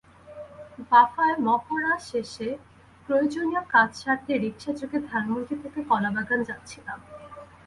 বাফায় মহড়া শেষে প্রয়োজনীয় কাজ সারতে রিকশাযোগে ধানমন্ডি থেকে কলাবাগান যাচ্ছিলাম।